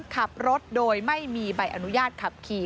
ขับรถโดยไม่มีใบอนุญาตขับขี่